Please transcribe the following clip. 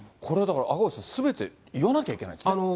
これ、だから、赤星さん、すべて言わなきゃいけないんですね